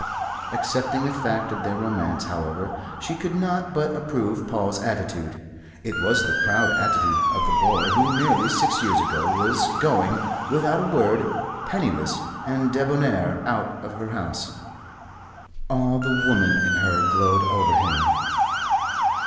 Accepting the fact of their romance, however, she could not but approve Paul's attitude. It was the proud attitude of the boy who nearly six years ago was going, without a word, penniless and debonair out of her house. All the woman in her glowed over him.